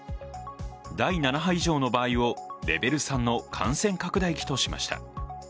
第７波以上の場合をレベル３の感染拡大期としました。